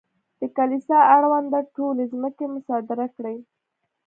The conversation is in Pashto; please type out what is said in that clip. د کلیسا اړونده ټولې ځمکې مصادره کړې.